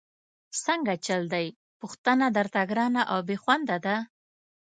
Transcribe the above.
څنګه چل دی، پوښتنه درته ګرانه او بېخونده ده؟!